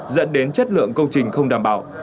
dẫn đến chất lượng công trình không đảm bảo